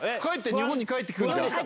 日本に帰ってくるじゃん。